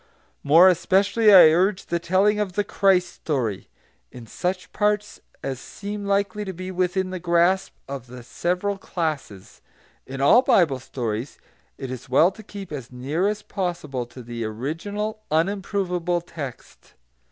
More especially I urge the telling of the Christ story, in such parts as seem likely to be within the grasp of the several classes. In all Bible stories it is well to keep as near as possible to the original unimprovable text.